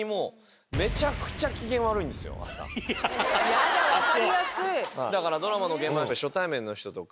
ヤダ分かりやすい。